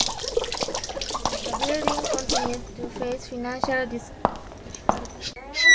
The building continued to face financial difficulties.